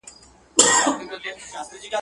ما د سمسوره باغه واخیسته لاسونه.